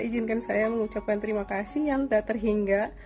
izinkan saya mengucapkan terima kasih yang tak terhingga